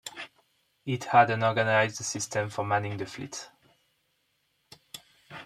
It had an organized system for manning the fleet.